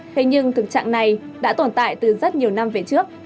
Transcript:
thế nhưng thực trạng này đã tồn tại từ rất nhiều năm về trước